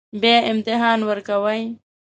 بیا امتحان ورکوئ